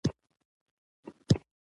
انسانیت د حق غوښتنه کوي.